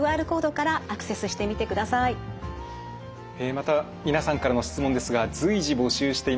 また皆さんからの質問ですが随時募集しています。